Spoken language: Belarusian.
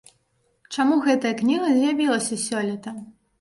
Чаму гэтая кніга з'явілася сёлета?